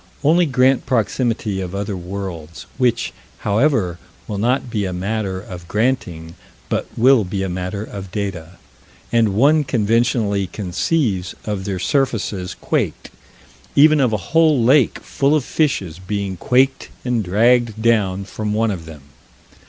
Only grant proximity of other worlds which, however, will not be a matter of granting, but will be a matter of data and one conventionally conceives of their surfaces quaked even of a whole lake full of fishes being quaked and dragged down from one of them.